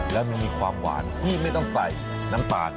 แล้วมันมีความหวานที่ไม่ต้องใส่น้ำตาล